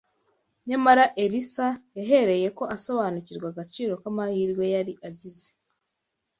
Nyamara Elisa yahereyeko asobanukirwa agaciro k’amahirwe yari agize